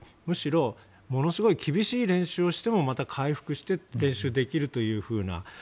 むしろものすごい厳しい練習をしてもまた回復して練習できるというような。